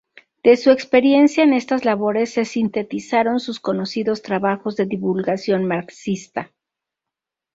De su experiencia en estas labores se sintetizaron sus conocidos trabajos de divulgación marxista.